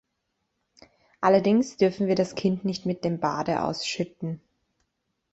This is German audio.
Allerdings dürfen wir das Kind nicht mit dem Bade ausschütten.